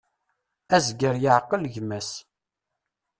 Azger yeƐqel gma-s.